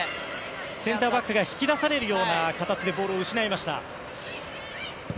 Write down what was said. センターバックが引き出されるような形でボールを失いました。